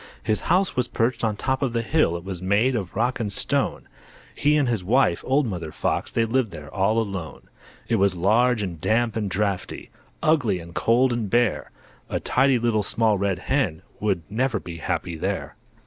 His house was perched on top of the hill, It was made of rock and stone; He and his wife, old Mother Fox, They lived there all alone. It was large and damp and draughty, Ugly and cold and bare; A tidy Little Small Red Hen Would never be happy there.